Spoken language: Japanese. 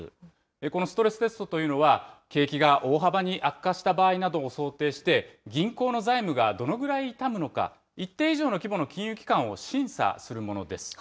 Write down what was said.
このストレステストというのは、景気が大幅に悪化した場合などを想定して、銀行の財務がどのぐらい痛むのか、一定以上の規模の金融機関を審査するものです。